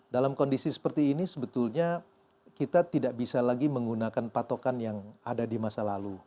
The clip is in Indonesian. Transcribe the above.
dalam kondisi seperti ini sebetulnya kita tidak bisa lagi menggunakan patokan yang ada di masa lalu